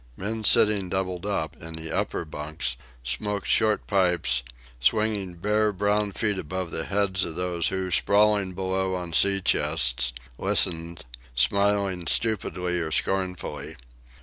Men sitting doubled up in the upper bunks smoked short pipes, swinging bare brown feet above the heads of those who, sprawling below on sea chests, listened, smiling stupidly or scornfully.